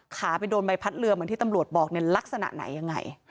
ขาไปโดนใบพัดเรือเหมือนที่ตำรวจบอกเนี่ยลักษณะไหนยังไง